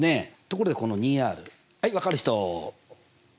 ところでこの２Ｒはい分かる人？